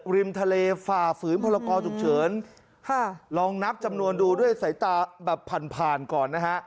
ริมทะเลฝ่าฝืนพรกรฉุกเฉินลองนับจำนวนดูด้วยสายตาแบบผ่านผ่านก่อนนะฮะ